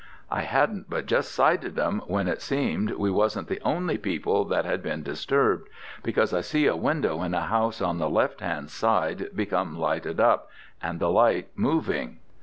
I hadn't but just sighted 'em when it seemed we wasn't the only people that had been disturbed, because I see a window in a house on the left hand side become lighted up, and the light moving.